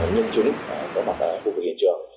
nhân chúng có mặt ở khu vực hiện trường